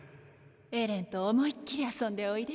エレンと思いっきり遊んでおいで。